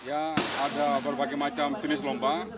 ada berbagai macam jenis lomba